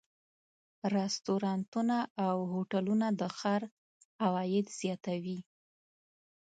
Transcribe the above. رستورانتونه او هوټلونه د ښار عواید زیاتوي.